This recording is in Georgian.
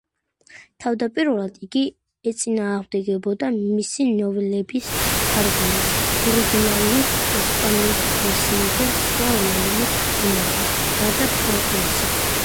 თავდაპირველად იგი ეწინააღმდეგებოდა მისი ნოველების თარგმნას ორიგინალი ესპანური ვერსიიდან სხვა რომელიმე ენაზე, გარდა ფრანგულისა.